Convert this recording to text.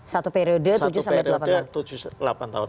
satu periode tujuh sampai delapan tahun